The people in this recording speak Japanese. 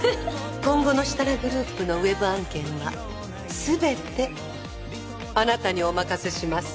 今後のシタラグループのウェブ案件は全てあなたにお任せします。